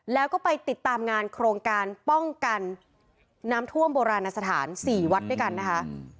แล้วก็ไปติดตามงานโครงการป้องกันน้ำท่วมโบราณสถาน๔วัดด้วยกันนะคะ